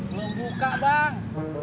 belum buka bang